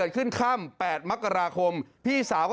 อยู่เมื่อวามนี้เอง